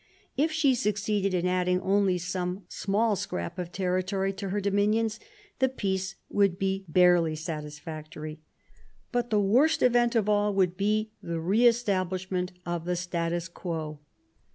If she succeeded in adding only some small scrap of territory to her dominions, the peace would be barely satisfactory. But the worst event of all would be the re establish ment of the status quo.